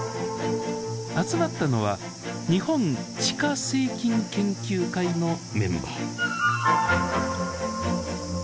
集まったのは「日本地下生菌研究会」のメンバー。